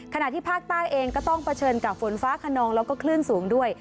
ขณะที่ภาคใต้เองก็ต้องเผชิญกับฝนฟ้าขนองแล้วก็คลื่นสูงด้วย